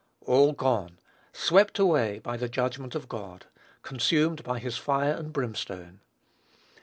All gone! swept away by the judgment of God! Consumed by his fire and brimstone!"